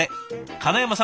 金山さん